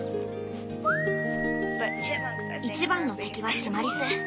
一番の敵はシマリス。